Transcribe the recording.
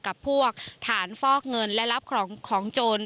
กับพวกฐานฟอกเงินและรับของโจร